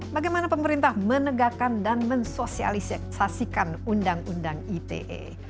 bagaimana pemerintah menegakkan dan mensosialisasikan undang undang ite